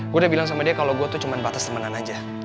gue udah bilang sama dia kalau gue tuh cuma batas temenan aja